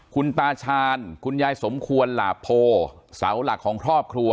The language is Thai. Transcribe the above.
คุณตาชาญคุณยายสมควรหลาโพเสาหลักของครอบครัว